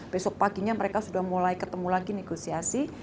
besok paginya mereka sudah mulai ketemu lagi negosiasi